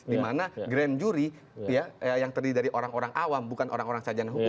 di mana grand jury yang terdiri dari orang orang awam bukan orang orang sajian hukum